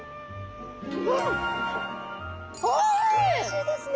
おいしいですね！